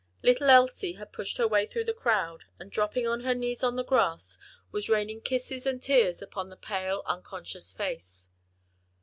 Little Elsie had pushed her way through the crowd and dropping on her knees on the grass was raining kisses and tears upon the pale, unconscious face.